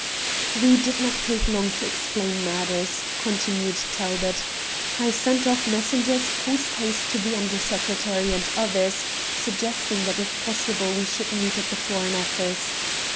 "We did not take long to explain matters," continued Talbot. "I sent off messengers post haste to the Under Secretary and others suggesting that if possible we should meet at the Foreign Office.